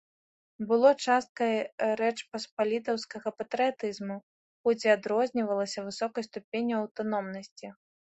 Было часткай рэчпаспалітаўскага патрыятызму, хоць і адрознівалася высокай ступенню аўтаномнасці.